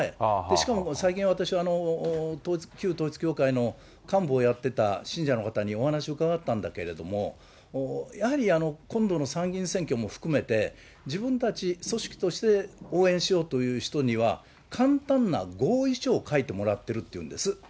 しかも最近、私は旧統一教会の幹部をやってた信者の方にお話伺ったんだけれども、やはり今度の参議院選挙も含めて、自分たち組織として応援しようという人には、簡単な合意書を書いてもらってるって言うんです。